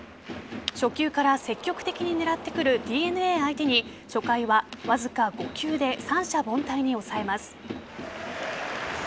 初球から積極的に狙ってくるＤｅＮＡ相手に初回はわずか５球で三者凡退に抑えます。